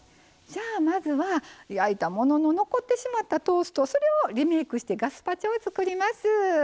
じゃあまずは焼いたものの残ってしまったトーストそれをリメイクしてガスパチョを作ります。